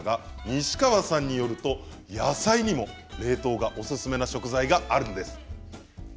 西川さんによると野菜にも冷凍がおすすめな食材があるんです。